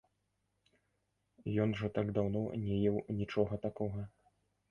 Ён жа так даўно не еў нічога такога!